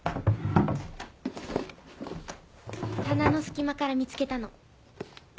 棚の隙間から見つけたの。